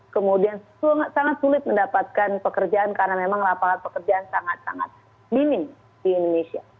kemudian sangat sulit mendapatkan pekerjaan karena memang lapangan pekerjaan sangat sangat minim di indonesia